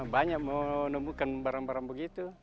banyak menemukan barang barang begitu